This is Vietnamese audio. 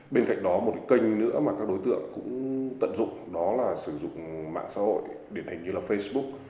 bên cạnh đó một kênh nữa mà các đối tượng cũng tận dụng đó là sử dụng mạng xã hội điển hình như là facebook